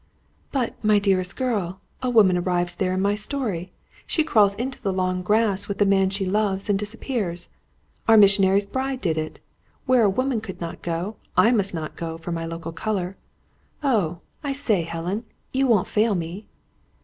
"But, my dearest girl, a woman arrives there in my story! She crawls into the long grass with the man she loves, and disappears. Our missionary's bride did it. Where a woman could not go, I must not go for my local colour. Oh, I say, Helen! You won't fail me?"